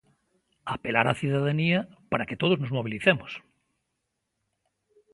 Apelar a cidadanía para que todos nos mobilicemos.